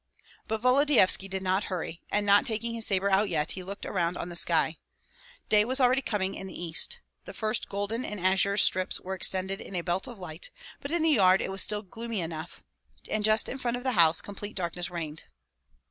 But Volodyovski did not hurry, and not taking his sabre out yet, he looked around on the sky. Day was already coming in the east. The first golden and azure stripes were extended in a belt of light, but in the yard it was still gloomy enough, and just in front of the house complete darkness reigned.